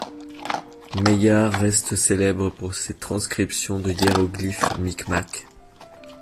Maillard reste célèbre pour ses transcriptions des hiéroglyphes micmacs.